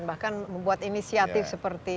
bahkan membuat inisiatif seperti